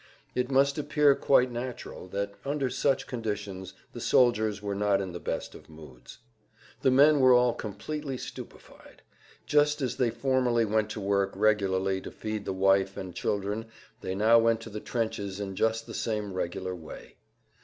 It must appear quite natural that under such conditions the soldiers were not in the best of moods. The men were all completely stupefied. Just as they formerly went to work regularly to feed the wife and children they now went to[Pg 157] the trenches in just the same regular way.